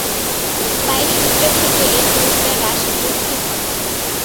তাই সূর্য থেকে এর দূরত্বের হ্রাস বৃদ্ধি ঘটে।